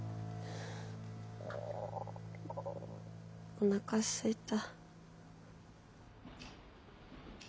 おなかすいた。